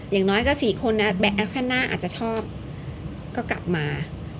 อย่างน้อยก็๔คนหน้าอาจจะชอบก็กลับมา